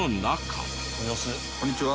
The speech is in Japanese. こんにちは。